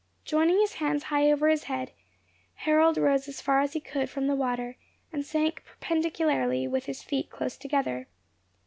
Joining his hands high over his head, Harold rose as far as he could from the water, and sank perpendicularly with his feet close together.